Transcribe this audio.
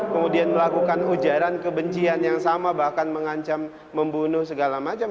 kemudian melakukan ujaran kebencian yang sama bahkan mengancam membunuh segala macam